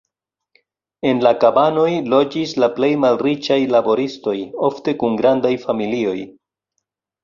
En la kabanoj loĝis la plej malriĉaj laboristoj, ofte kun grandaj familioj.